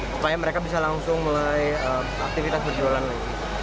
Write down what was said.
supaya mereka bisa langsung mulai aktivitas berjualan lagi